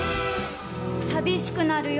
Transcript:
寂しくなるよ。